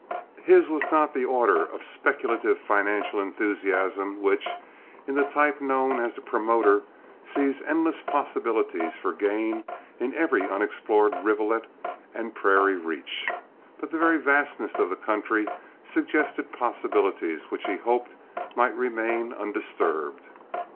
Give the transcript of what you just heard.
His was not the order of speculative financial enthusiasm which, in the type known as the "promoter," sees endless possibilities for gain in every unexplored rivulet and prairie reach; but the very vastness of the country suggested possibilities which he hoped might remain undisturbed.